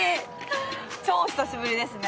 超久しぶりですね。